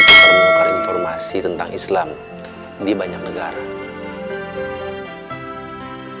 pukar informasi tentang islam di banyak negara